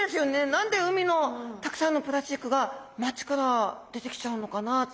何で海のたくさんのプラスチックが街から出てきちゃうのかなって。